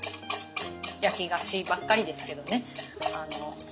焼き菓子ばっかりですけどね。